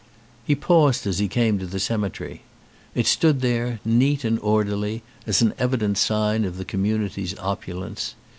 He paused as he came to the cemetery. It stood there, neat and orderly, as an evident sign of the community's opulence.